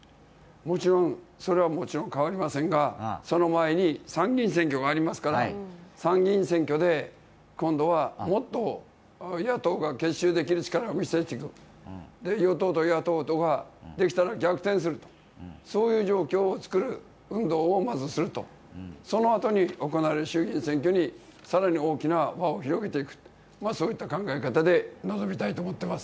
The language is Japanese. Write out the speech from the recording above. それはもちろん変わりませんが、その前に参議院選挙がありますから参議院選挙で今度はもっと、野党が結集できる力を見せて与党と野党とが、できたら逆転するそういう状況を作る運動をまずすると、そのあとに行われる衆議院選挙に、更に大きな輪を広げていくという考えでいます。